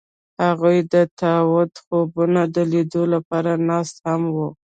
هغوی د تاوده خوبونو د لیدلو لپاره ناست هم وو.